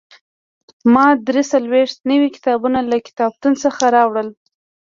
ما درې څلوېښت نوي کتابونه له کتابتون څخه راوړل.